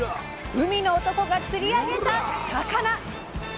海の男が釣り上げた魚！